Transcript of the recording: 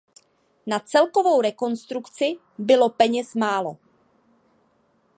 Na celkovou rekonstrukci bylo peněz málo.